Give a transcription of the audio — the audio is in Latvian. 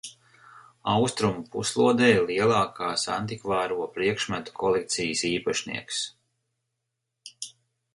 Austrumu puslodē lielākās antikvāro priekšmetu kolekcijas īpašnieks.